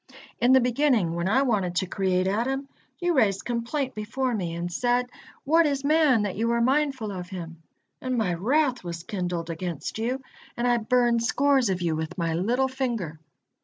In the beginning, when I wanted to create Adam, you raised complaint before Me and said, 'What is man that Thou are mindful of him!' and My wrath was kindled against you and I burned scores of you with My little finger.